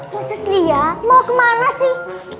khusus lia mau kemana sih